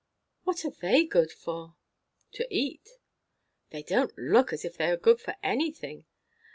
"What are they good for?" "To eat." "They don't look as if they were good for anything.